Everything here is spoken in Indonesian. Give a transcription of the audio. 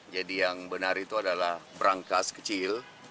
jadi yang benar itu adalah berangkas kecil